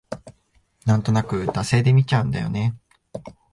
なんとなく惰性で見ちゃうんだよね